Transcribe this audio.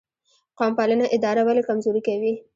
قوم پالنه اداره ولې کمزورې کوي؟